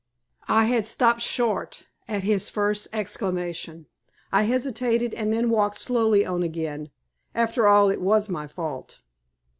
I had stopped short at his first exclamation. I hesitated and then walked slowly on again. After all it was my fault.